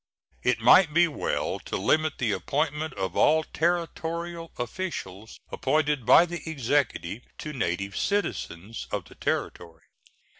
It might be well to limit the appointment of all Territorial officials appointed by the Executive to native citizens of the Territory.